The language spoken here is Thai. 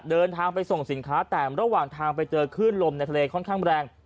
เดินทางไปส่งสินค้าแต่ระหว่างทางไปเจอคลื่นลมในทะเลค่อนข้างแรง